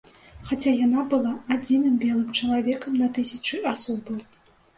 Хаця яна была адзіным белым чалавекам на тысячы асобаў.